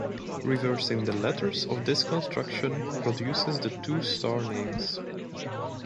Reversing the letters of this construction produces the two star names.